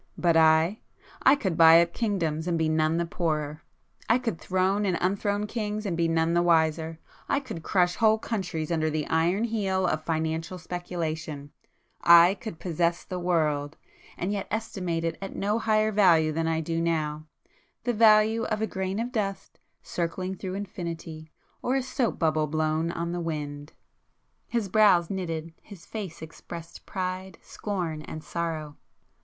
But I,—I could buy up kingdoms and be none the poorer,—I could throne [p 216] and unthrone kings and be none the wiser,—I could crush whole countries under the iron heel of financial speculation,—I could possess the world,—and yet estimate it at no higher value than I do now,—the value of a grain of dust circling through infinity, or a soap bubble blown on the wind!" His brows knitted,—his face expressed pride, scorn and sorrow.